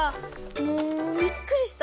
もうびっくりした！